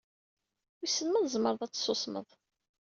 Wissen ma tzemreḍ ad tessusmeḍ?